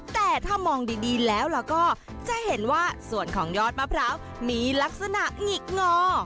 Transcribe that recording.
แต่ถ้ามองดีแล้วก็จะเห็นว่าส่วนของยอดมะพร้าวมีลักษณะหงิกงอ